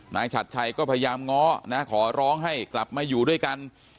ฉัดชัยก็พยายามง้อนะขอร้องให้กลับมาอยู่ด้วยกัน